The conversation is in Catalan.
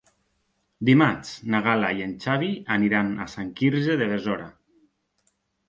Dimarts na Gal·la i en Xavi aniran a Sant Quirze de Besora.